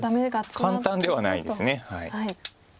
簡単ではないです。